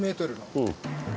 うん。